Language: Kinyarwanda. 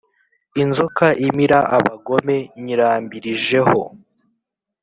inzoka imira abagome nyirambirije ho.